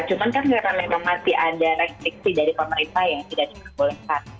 cuman kan karena memang masih ada restriksi dari pemerintah yang tidak diperbolehkan